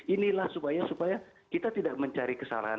inilah supaya kita tidak mencari kesalahan